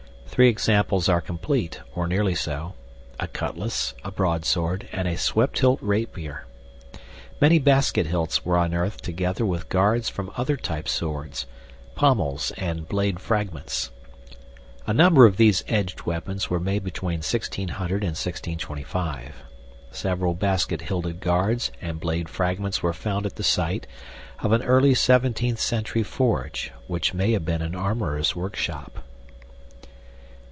Three examples are complete, or nearly so a cutlass, a broadsword, and a swept hilt rapier. Many basket hilts were unearthed together with guards from other type swords, pommels, and blade fragments. A number of these edged weapons were made between 1600 and 1625. Several basket hilted guards and blade fragments were found at the site of an early 17th century forge, which may have been an armorer's workshop.